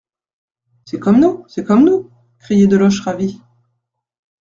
C'est comme nous ! c'est comme nous ! criait Deloche ravi.